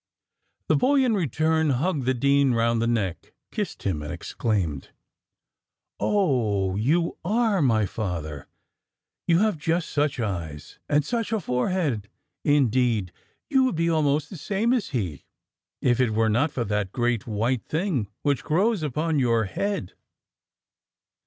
The boy, in return, hugged the dean round the neck, kissed him, and exclaimed, "Oh! you are my father you have just such eyes, and such a forehead indeed you would be almost the same as he, if it were not for that great white thing which grows upon your head!"